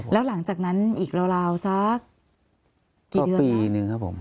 แล้วหลังจากนั้นอีกราวสักกี่เดือนปีหนึ่งครับผม